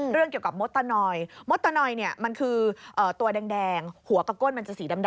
เรื่องเกี่ยวกับมดตะนอยมดตะนอยเนี่ยมันคือตัวแดงหัวกับก้นมันจะสีดำ